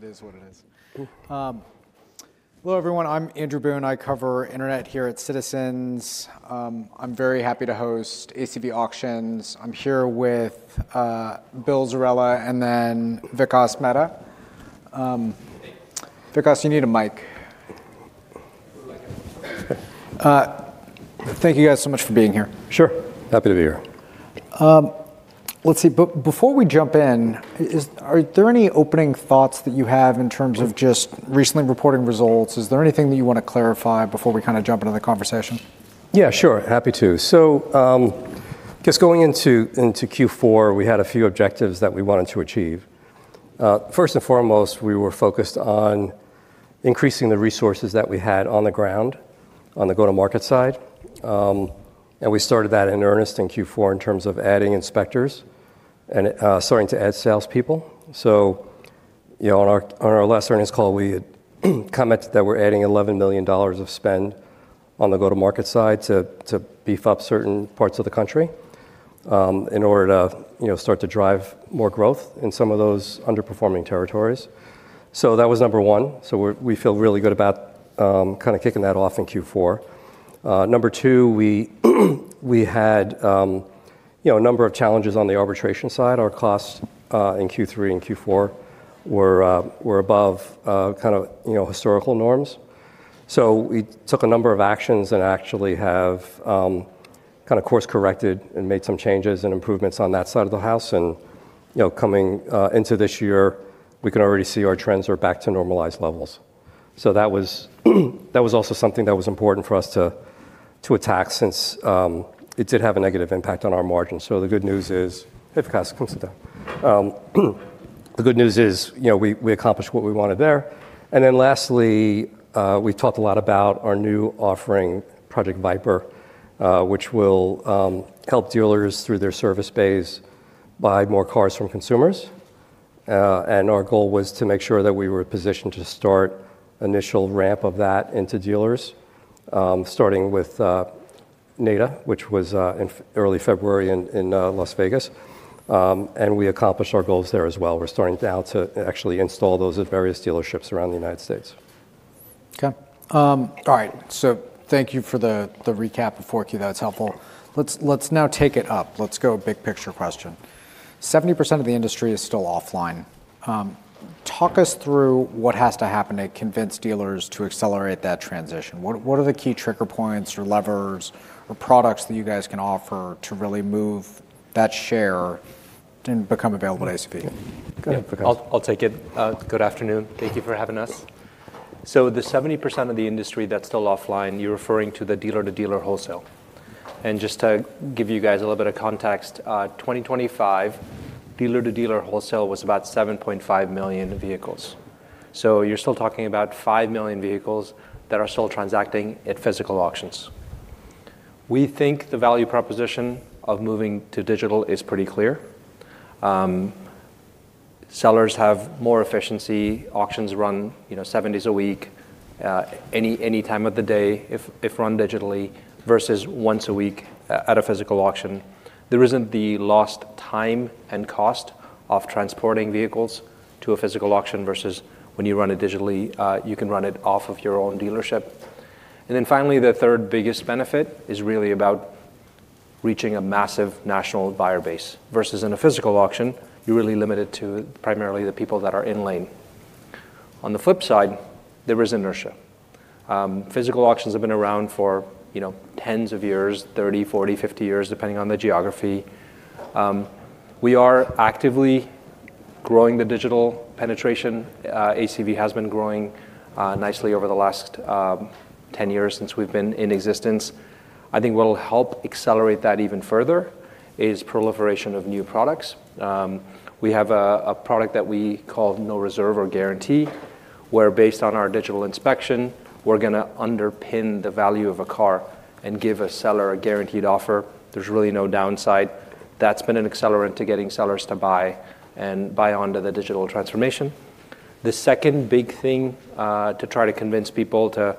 It is what it is. Hello everyone. I'm Andrew Boone. I cover internet here at Citizens. I'm very happy to host ACV Auctions. I'm here with Bill Zerella and then Vikas Mehta. Vikas, you need a mic. Would like it. Thank you guys so much for being here. Sure. Happy to be here. Let's see. Before we jump in, Are there any opening thoughts that you have in terms of just recently reporting results? Is there anything that you wanna clarify before we kinda jump into the conversation? Sure. Happy to. Just going into Q4, we had a few objectives that we wanted to achieve. First and foremost, we were focused on increasing the resources that we had on the ground on the go-to-market side. We started that in earnest in Q4 in terms of adding inspectors and starting to add salespeople. You know, on our last earnings call we had commented that we're adding $11 million of spend on the go-to-market side to beef up certain parts of the country, in order to start to drive more growth in some of those underperforming territories. That was number one, so we feel really good about kind of kicking that off in Q4. Number two, we had a number of challenges on the arbitration side. Our costs in Q3 and Q4 were above historical norms. We took a number of actions and actually have kind of course-corrected and made some changes and improvements on that side of the house. You know, coming into this year, we can already see our trends are back to normalized levels. That was also something that was important for us to attack since it did have a negative impact on our margins. The good news is. Vikas, come sit down. The good news is, we accomplished what we wanted there. Lastly, we've talked a lot about our new offering, Project VIPER, which will help dealers through their service bays buy more cars from consumers. Our goal was to make sure that we were positioned to start initial ramp of that into dealers, starting with NADA, which was early February in Las Vegas. We accomplished our goals there as well. We're starting now to actually install those at various dealerships around the United States. Okay. All right. Thank you for the recap of 4Q. That's helpful. Let's now take it up. Let's go big-picture question. 70% of the industry is still offline. Talk us through what has to happen to convince dealers to accelerate that transition. What are the key trigger points or levers or products that you guys can offer to really move that share and become available to ACV? Go ahead, Vikas. I'll take it. Good afternoon. Thank you for having us. The 70% of the industry that's still offline, you're referring to the dealer-to-dealer wholesale. Just to give you guys a little bit of context, 2025, dealer-to-dealer wholesale was about 7.5 million vehicles. You're still talking about five million vehicles that are still transacting at physical auctions. We think the value proposition of moving to digital is pretty clear. Sellers have more efficiency. Auctions run, you know, seven days a week, any time of the day if run digitally versus once a week at a physical auction. There isn't the lost time and cost of transporting vehicles to a physical auction versus when you run it digitally, you can run it off of your own dealership. Finally, the third-biggest benefit is really about reaching a massive national buyer base. Versus in a physical auction, you're really limited to primarily the people that are in lane. On the flip side, there is inertia. Physical auctions have been around for tens of years, 30, 40, 50 years, depending on the geography. We are actively growing the digital penetration. ACV has been growing nicely over the last 10 years since we've been in existence. I think what will help accelerate that even further is proliferation of new products. We have a product that we call No Reserve or Guarantee, where based on our digital inspection, we're gonna underpin the value of a car and give a seller a guaranteed offer. There's really no downside. That's been an accelerant to getting sellers to buy and buy onto the digital transformation. The second big thing to try to convince people to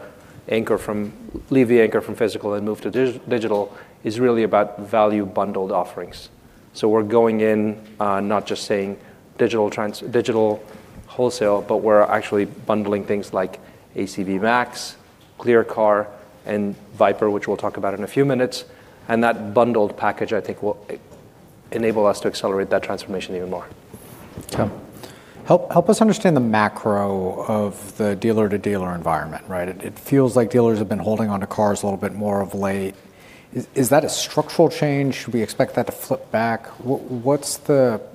leave the anchor from physical and move to digital is really about value bundled offerings. We're going in, not just saying digital wholesale, but we're actually bundling things like ACV Max, ClearCar, and VIPER, which we'll talk about in a few minutes. That bundled package, I think, will enable us to accelerate that transformation even more. Okay. Help us understand the macro of the dealer-to-dealer environment, right? It feels like dealers have been holding onto cars a little bit more of late. Is that a structural change? Should we expect that to flip back?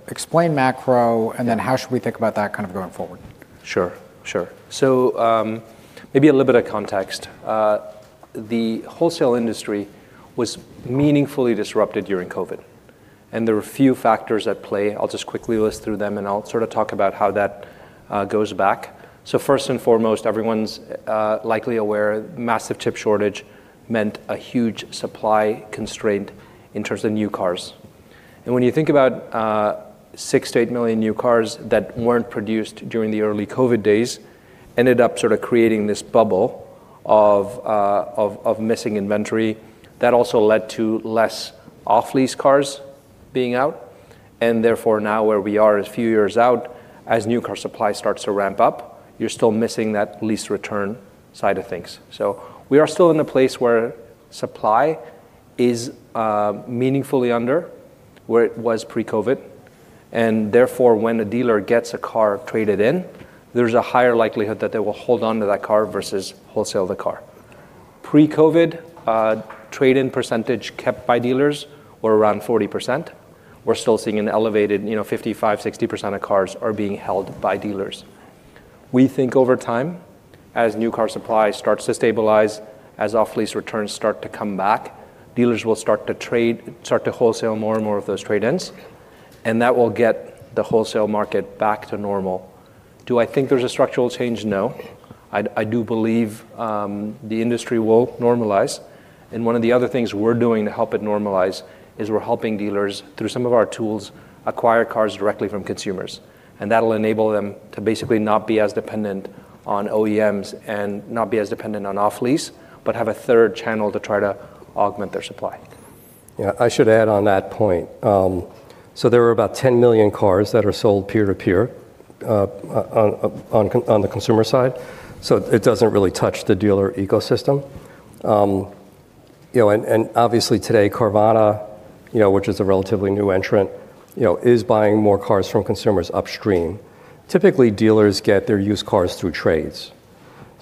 Explain macro, and then how should we think about that kind of going forward? Sure. Sure. Maybe a little bit of context. The wholesale industry was meaningfully disrupted during COVID, and there were a few factors at play. I'll just quickly list through them, and I'll sort of talk about how that goes back. First and foremost, everyone's likely aware massive chip shortage meant a huge supply constraint in terms of new cars. When you think about six to eight million new cars that weren't produced during the early COVID days ended up sort of creating this bubble of missing inventory, that also led to less off-lease cars being out. Therefore now where we are is a few years out, as new car supply starts to ramp up, you're still missing that lease return side of things. We are still in a place where supply is meaningfully under where it was pre-COVID, and therefore, when a dealer gets a car traded in, there's a higher likelihood that they will hold on to that car versus wholesale the car. Pre-COVID, trade-in percentage kept by dealers were around 40%. We're still seeing an elevated, you know, 55%-60% of cars are being held by dealers. We think over time, as new car supply starts to stabilize, as off-lease returns start to come back, dealers will start to wholesale more and more of those trade-ins, and that will get the wholesale market back to normal. Do I think there's a structural change? No. I do believe, the industry will normalize. One of the other things we're doing to help it normalize is we're helping dealers, through some of our tools, acquire cars directly from consumers. That'll enable them to basically not be as dependent on OEMs and not be as dependent on off-lease, but have a third channel to try to augment their supply. Yeah, I should add on that point. There are about 10 million cars that are sold peer-to-peer on the consumer side, so it doesn't really touch the dealer ecosystem. You know, obviously today, Carvana, which is a relatively new entrant, you know, is buying more cars from consumers upstream. Typically, dealers get their used cars through trades.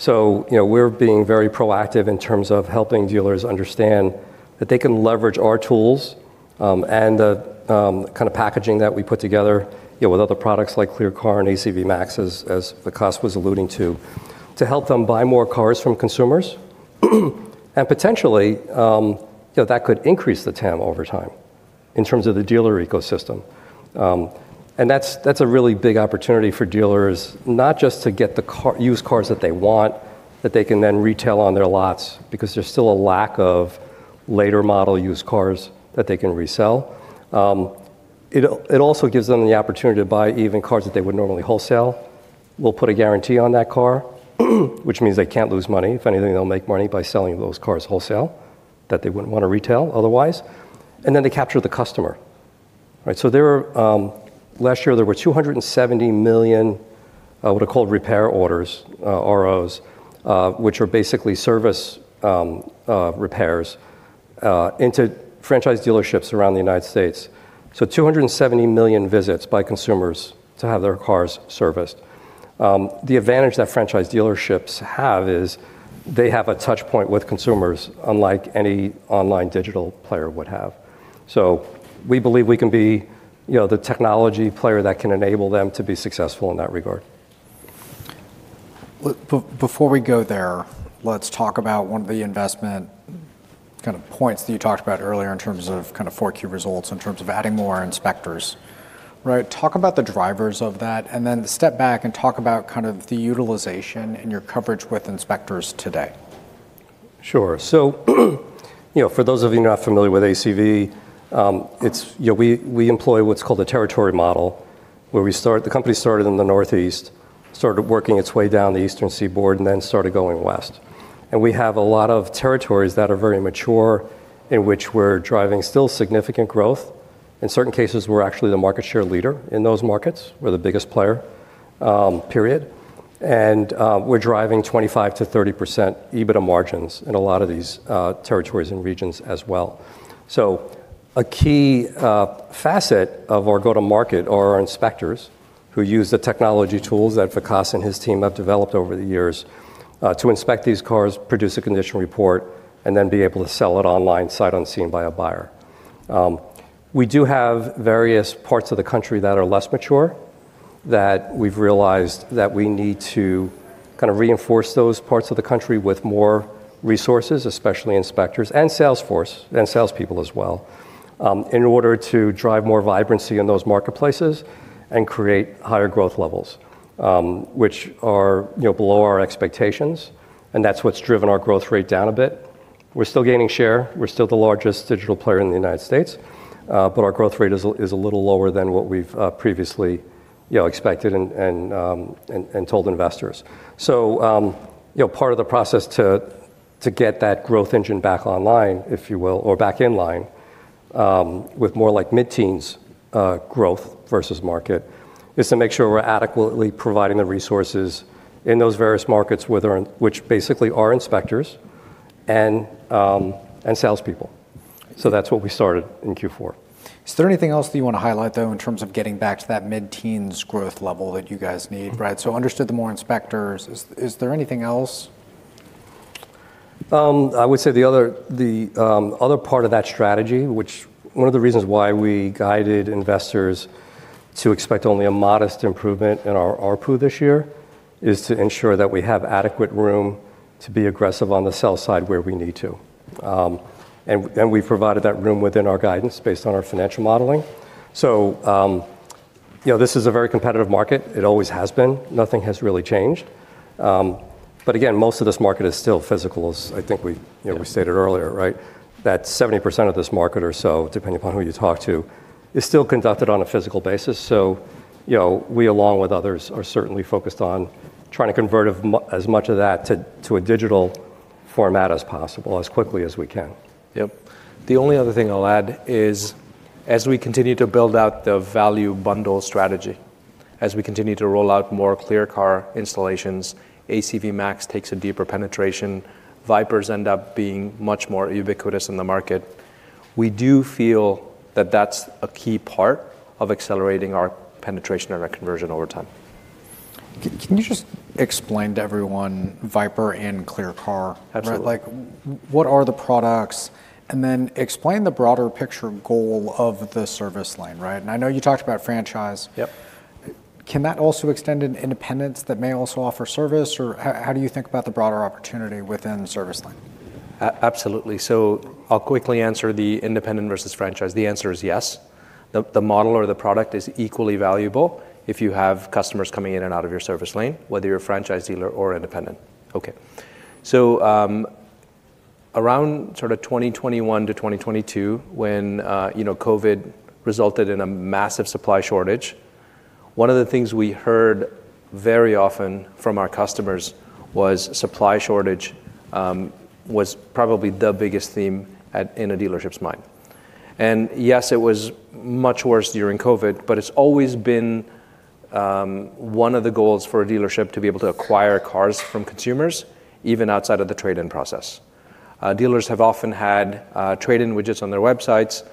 You know, we're being very proactive in terms of helping dealers understand that they can leverage our tools, and the kind of packaging that we put together with other products like ClearCar and ACV Max, as Vikas was alluding to help them buy more cars from consumers. Potentially, that could increase the TAM over time in terms of the dealer ecosystem. That's, that's a really big opportunity for dealers, not just to get used cars that they want, that they can then retail on their lots, because there's still a lack of later model used cars that they can resell. It also gives them the opportunity to buy even cars that they wouldn't normally wholesale. We'll put a guarantee on that car, which means they can't lose money. If anything, they'll make money by selling those cars wholesale that they wouldn't want to retail otherwise. Then they capture the customer. Right? There are, last year, there were 270 million what are called repair orders, ROs, which are basically service repairs into franchise dealerships around the United States. 270 million visits by consumers to have their cars serviced. The advantage that franchise dealerships have is they have a touchpoint with consumers, unlike any online digital player would have. We believe we can be the technology player that can enable them to be successful in that regard. Before we go there, let's talk about one of the investment kind of points that you talked about earlier in terms of kind of 4Q results, in terms of adding more inspectors. Right? Talk about the drivers of that and then step back and talk about kind of the utilization and your coverage with inspectors today. Sure. You know, for those of you not familiar with ACV, we employ what's called a territory model. The company started in the Northeast, started working its way down the Eastern Seaboard, and then started going West. We have a lot of territories that are very mature in which we're driving still significant growth. In certain cases, we're actually the market share leader in those markets. We're the biggest player, period. We're driving 25%-30% EBITDA margins in a lot of these territories and regions as well. A key facet of our go-to-market are our inspectors who use the technology tools that Vikas and his team have developed over the years to inspect these cars, produce a condition report, and then be able to sell it online, sight unseen by a buyer. We do have various parts of the country that are less mature that we've realized that we need to kind of reinforce those parts of the country with more resources, especially inspectors and sales force and salespeople as well, in order to drive more vibrancy in those marketplaces and create higher growth levels, which are below our expectations, and that's what's driven our growth rate down a bit. We're still gaining share. We're still the largest digital player in the United States, our growth rate is a little lower than what we've previously expected and told investors. You know, part of the process to get that growth engine back online, if you will, or back in line, with more like mid-teens growth versus market, is to make sure we're adequately providing the resources in those various markets with our inspectors and salespeople. That's what we started in Q4. Is there anything else that you want to highlight, though, in terms of getting back to that mid-teens growth level that you guys need, right? Understood the more inspectors. Is there anything else? I would say the other part of that strategy, which one of the reasons why we guided investors to expect only a modest improvement in our ARPU this year, is to ensure that we have adequate room to be aggressive on the sell side where we need to. We've provided that room within our guidance based on our financial modeling. You know, this is a very competitive market. It always has been. Nothing has really changed. Again, most of this market is still physical, as I think we stated earlier, right? That 70% of this market or so, depending upon who you talk to, is still conducted on a physical basis. We, along with others are certainly focused on trying to convert as much of that to a digital format as quickly as we can. Yep. The only other thing I'll add is as we continue to build out the value bundle strategy, as we continue to roll out more ClearCar installations, ACV Max takes a deeper penetration, VIPERs end up being much more ubiquitous in the market. We do feel that that's a key part of accelerating our penetration and our conversion over time. Can you just explain to everyone VIPER and ClearCar? Absolutely. Right, like what are the products? Then explain the broader picture goal of the service lane, right? I know you talked about franchise. Yep. Can that also extend into independence that may also offer service? How do you think about the broader opportunity within the service lane? Absolutely. I'll quickly answer the independent versus franchise. The answer is yes. The model or the product is equally valuable if you have customers coming in and out of your service lane, whether you're a franchise dealer or independent. Okay. Around 2021–2022 when COVID resulted in a massive supply shortage, one of the things we heard very often from our customers was supply shortage was probably the biggest theme in a dealership's mind. Yes, it was much worse during COVID, but it's always been one of the goals for a dealership to be able to acquire cars from consumers, even outside of the trade-in process. Dealers have often had trade-in widgets on their websites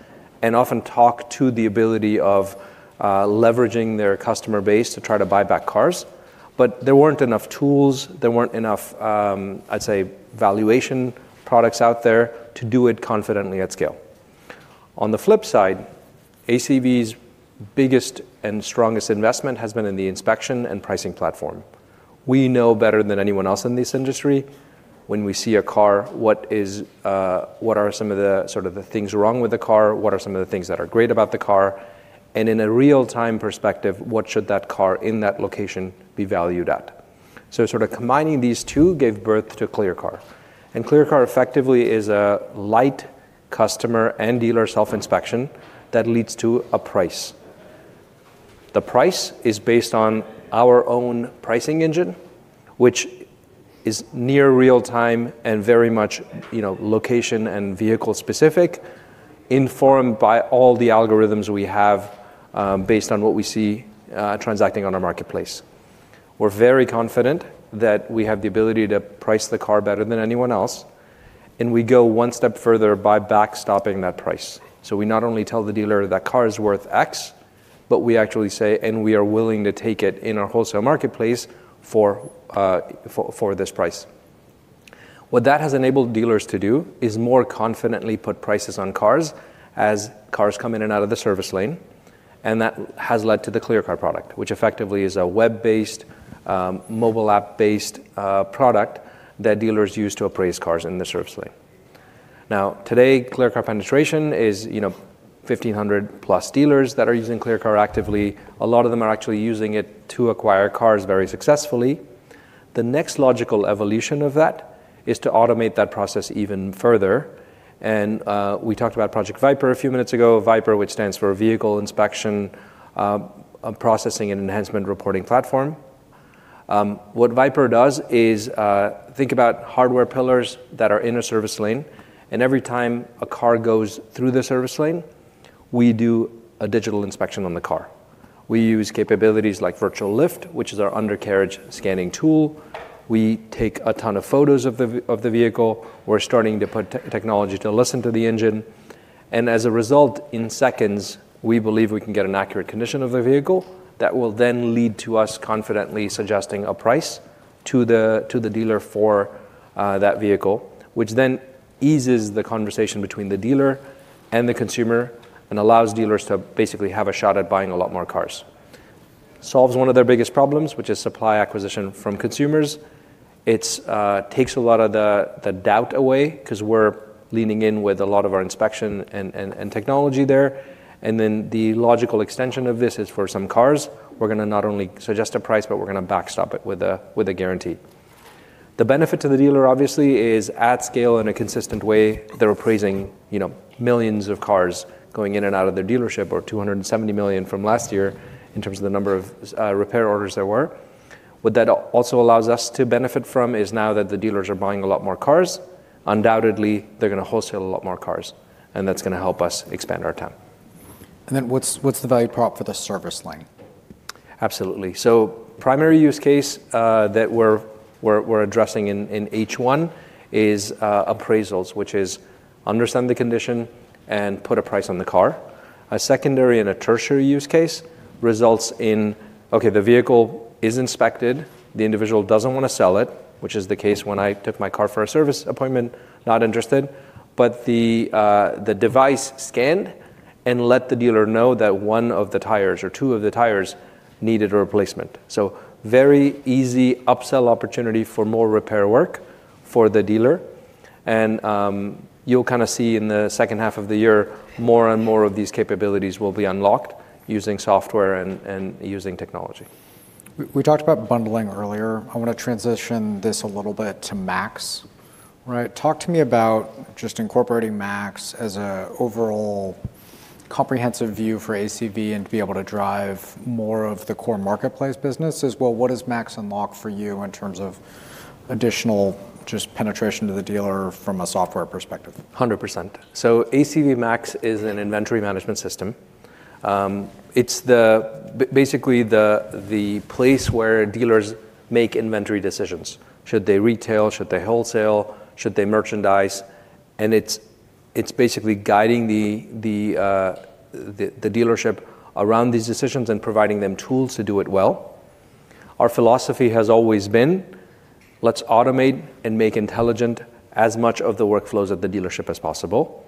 and often talked to the ability of leveraging their customer base to try to buy back cars. There weren't enough tools, there weren't enough, I'd say, valuation products out there to do it confidently at scale. On the flip side, ACV's biggest and strongest investment has been in the inspection and pricing platform. We know better than anyone else in this industry when we see a car, what are some of the sort of the things wrong with the car, what are some of the things that are great about the car, and in a real-time perspective, what should that car in that location be valued at? Sort of combining these two gave birth to ClearCar. ClearCar effectively is a light customer and dealer self-inspection that leads to a price. The price is based on our own pricing engine, which is near real time and very much location and vehicle specific, informed by all the algorithms we have, based on what we see transacting on our marketplace. We're very confident that we have the ability to price the car better than anyone else. We go one step further by backstopping that price. We not only tell the dealer that car is worth X, but we actually say, "And we are willing to take it in our wholesale marketplace for this price." What that has enabled dealers to do is more confidently put prices on cars as cars come in and out of the service lane, and that has led to the ClearCar product, which effectively is a web-based, mobile app-based product that dealers use to appraise cars in the service lane. Now, today, ClearCar penetration is, you know, 1,500+ dealers that are using ClearCar actively. A lot of them are actually using it to acquire cars very successfully. The next logical evolution of that is to automate that process even further. We talked about Project VIPER a few minutes ago. VIPER, which stands for Vehicle Inspection Processing and Enhancement Reporting platform. What VIPER does is, think about hardware pillars that are in a service lane, and every time a car goes through the service lane, we do a digital inspection on the car. We use capabilities like Virtual Lift, which is our undercarriage scanning tool. We take a ton of photos of the vehicle. We're starting to put technology to listen to the engine. As a result, in seconds, we believe we can get an accurate condition of the vehicle that will then lead to us confidently suggesting a price to the dealer for that vehicle, which then eases the conversation between the dealer and the consumer and allows dealers to basically have a shot at buying a lot more cars. Solves one of their biggest problems, which is supply acquisition from consumers. It takes a lot of the doubt away 'cause we're leaning in with a lot of our inspection and technology there. The logical extension of this is for some cars, we're gonna not only suggest a price, but we're gonna backstop it with a guarantee. The benefit to the dealer obviously is at scale in a consistent way, they're appraising millions of cars going in and out of their dealership or $270 million from last year in terms of the number of repair orders there were. What that also allows us to benefit from is now that the dealers are buying a lot more cars, undoubtedly they're gonna wholesale a lot more cars, that's gonna help us expand our TAM. What's the value prop for the service lane? Absolutely. Primary use case that we're addressing in H1 is appraisals, which is understand the condition and put a price on the car. A secondary and a tertiary use case results in—okay, the vehicle is inspected, the individual doesn't wanna sell it, which is the case when I took my car for a service appointment, not interested. The device scanned and let the dealer know that one of the tires or two of the tires needed a replacement. Very easy upsell opportunity for more repair work for the dealer. You'll kind of see in the second half of the year, more and more of these capabilities will be unlocked using software and using technology. We talked about bundling earlier. I wanna transition this a little bit to Max, right? Talk to me about just incorporating Max as a overall comprehensive view for ACV and to be able to drive more of the core marketplace business as well. What does Max unlock for you in terms of additional just penetration to the dealer from a software perspective? 100%. ACV Max is an inventory management system. It's basically the place where dealers make inventory decisions. Should they retail? Should they wholesale? Should they merchandise? It's basically guiding the dealership around these decisions and providing them tools to do it well. Our philosophy has always been let's automate and make intelligent as much of the workflows at the dealership as possible.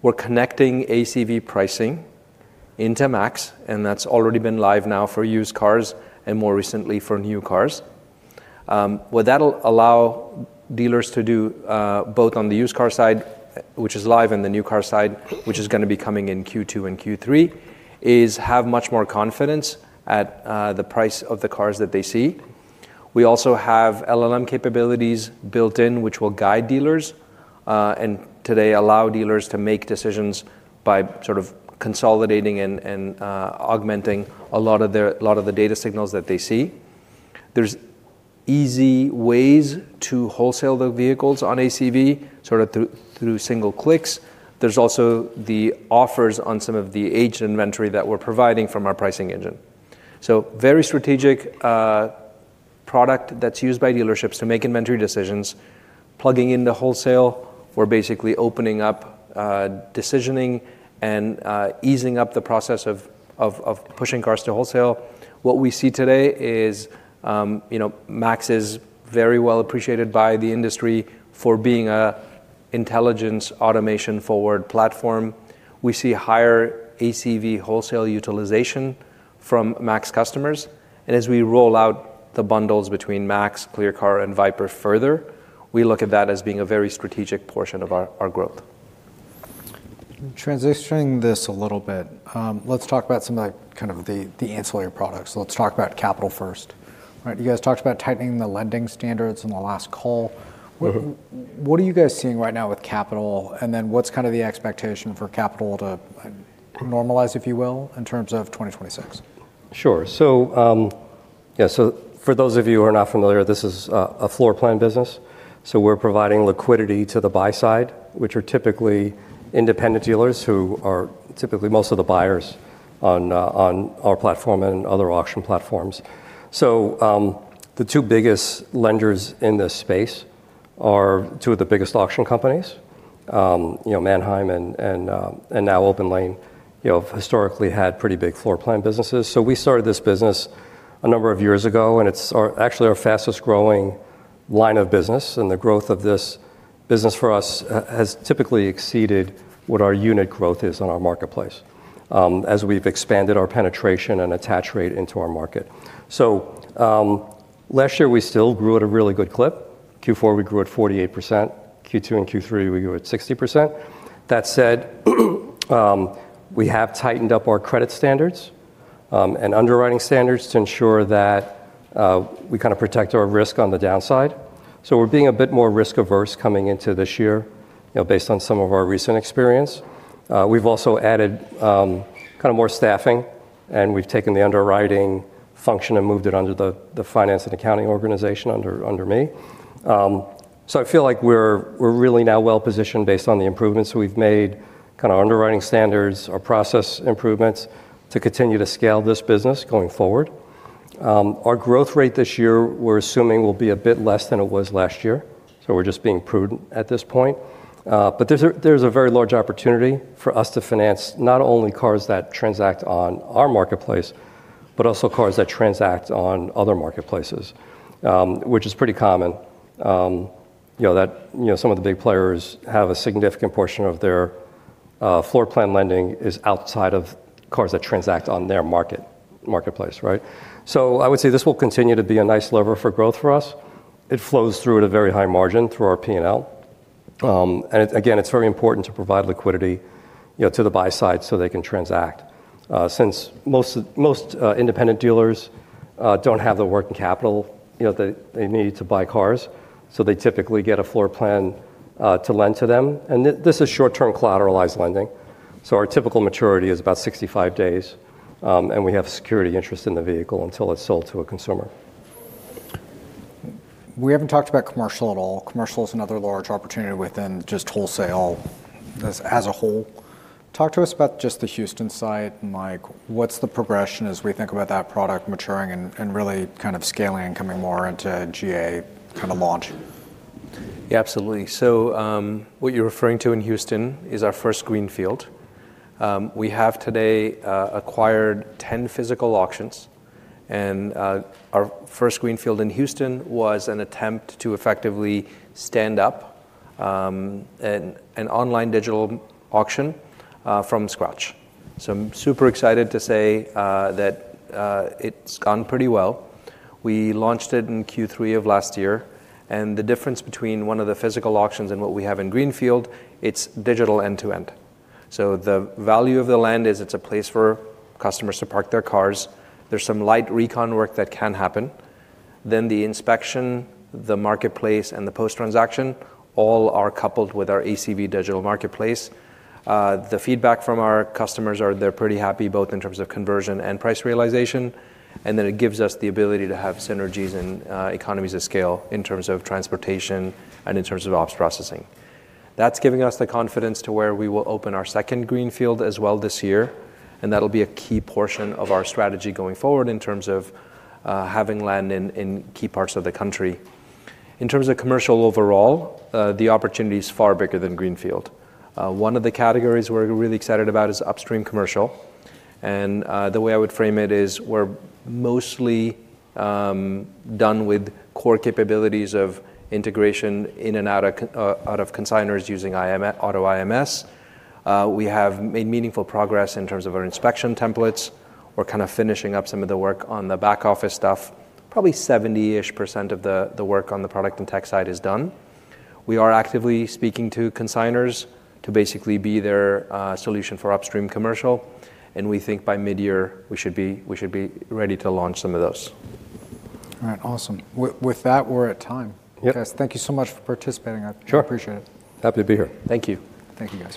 We're connecting ACV pricing into Max, that's already been live now for used cars and more recently for new cars. What that'll allow dealers to do—both on the used car side, which is live, and the new car side, which is gonna be coming in Q2 and Q3–is have much more confidence at the price of the cars that they see. We also have LLM capabilities built in which will guide dealers and today allow dealers to make decisions by sort of consolidating and augmenting a lot of the data signals that they see. There's easy ways to wholesale the vehicles on ACV, sort of through single clicks. There's also the offers on some of the aged inventory that we're providing from our pricing engine. Very strategic product that's used by dealerships to make inventory decisions. Plugging into wholesale, we're basically opening up decisioning and easing up the process of pushing cars to wholesale. What we see today is, Max is very well appreciated by the industry for being an intelligence automation-forward platform. We see higher ACV wholesale utilization from Max customers. As we roll out the bundles between Max, ClearCar, and VIPER further, we look at that as being a very strategic portion of our growth. Transitioning this a little bit, let's talk about some of the ancillary products. Let's talk about capital first. Right, you guys talked about tightening the lending standards in the last call. What are you guys seeing right now with capital? Then what's kind of the expectation for capital to normalize, if you will, in terms of 2026? Sure. For those of you who are not familiar, this is a floor plan business. We're providing liquidity to the buy side, which are typically independent dealers who are typically most of the buyers on our platform and other auction platforms. The two biggest lenders in this space—two of the biggest auctions businesses, You know, Manheim and now OPENLANE, you know, have historically had pretty big floorplan businesses. We started this business a number of years ago, and it's actually our fastest-growing line of business. The growth of this business for us has typically exceeded what our unit growth is on our marketplace as we've expanded our penetration and attach rate into our market. Last year, we still grew at a really good clip. Q4, we grew at 48%. Q2 and Q3, we grew at 60%. That said, we have tightened up our credit standards and underwriting standards to ensure that we kinda protect our risk on the downside. We're being a bit more risk-averse coming into this year, you know, based on some of our recent experience. We've also added, kinda more staffing, and we've taken the underwriting function and moved it under the finance and accounting organization under me. I feel like we're really now well-positioned based on the improvements we've made, kinda underwriting standards or process improvements to continue to scale this business going forward. Our growth rate this year, we're assuming, will be a bit less than it was last year, we're just being prudent at this point. There's a very large opportunity for us to finance not only cars that transact on our marketplace, but also cars that transact on other marketplaces, which is pretty common. You know, that, you know, some of the big players have a significant portion of their floor plan lending is outside of cars that transact on their marketplace, right? I would say this will continue to be a nice lever for growth for us. It flows through at a very high margin through our P&L. Again, it's very important to provide liquidity to the buy side, so they can transact, since most independent dealers don't have the working capital that they need to buy cars, so they typically get a floor plan to lend to them. This is short-term collateralized lending, so our typical maturity is about 65 days, and we have security interest in the vehicle until it's sold to a consumer. We haven't talked about commercial at all. Commercial is another large opportunity within just wholesale as a whole. Talk to us about just the Houston side and, like, what's the progression as we think about that product maturing and really kind of scaling and coming more into GA kinda launch? Yeah, absolutely. What you're referring to in Houston is our first greenfield. We have today acquired 10 physical auctions, and our first greenfield in Houston was an attempt to effectively stand up an online digital auction from scratch. I'm super excited to say that it's gone pretty well. We launched it in Q3 of last year, and the difference between one of the physical auctions and what we have in greenfield, it's digital end-to-end. The value of the land is it's a place for customers to park their cars. There's some light recon work that can happen. The inspection, the marketplace, and the post-transaction all are coupled with our ACV digital marketplace. The feedback from our customers are they're pretty happy both in terms of conversion and price realization, and then it gives us the ability to have synergies and economies of scale in terms of transportation and in terms of ops processing. That's giving us the confidence to where we will open our second greenfield as well this year, and that'll be a key portion of our strategy going forward in terms of having land in key parts of the country. In terms of commercial overall, the opportunity is far bigger than greenfield. One of the categories we're really excited about is upstream commercial. The way I would frame it is we're mostly done with core capabilities of integration in and out of consignors using AutoIMS.We have made meaningful progress in terms of our inspection templates. We're kinda finishing up some of the work on the back office stuff. Probably 70-ish percent of the work on the product and tech side is done. We are actively speaking to consignors to basically be their solution for upstream commercial. We think by mid-year, we should be ready to launch some of those. All right. Awesome. With that, we're at time. Yep. Guys, thank you so much for participating. Sure. I appreciate it. Happy to be here. Thank you. Thank you, guys.